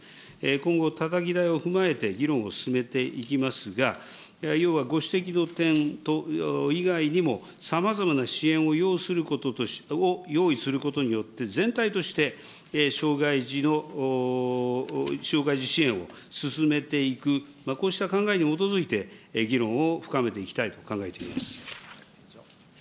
今後たたき台を踏まえて議論を進めていきますが、要はご指摘の点以外にも、さまざまな支援をようすることを、用意することによって、全体的に障害児支援を進めていく、こうした考えに基づいて、議論を深めていきたいと考えています。